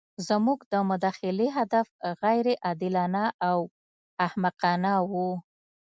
زموږ د مداخلې هدف غیر عادلانه او احمقانه وو.